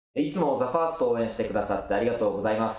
ＴＨＥＦＩＲＳＴを応援してくださってありがとうございます。